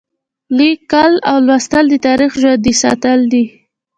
لیکل او لوستل د تاریخ ژوندي ساتل دي.